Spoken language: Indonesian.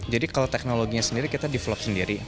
jadi kalau teknologinya sendiri kita develop sendiri